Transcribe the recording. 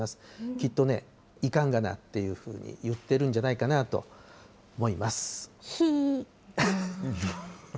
きっとね、いかんがなって言ってるんじゃないかなと思います。